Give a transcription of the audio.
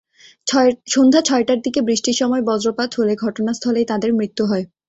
সন্ধ্যা ছয়টার দিকে বৃষ্টির সময় বজ্রপাত হলে ঘটনাস্থলেই তাঁদের মৃত্যু হয়।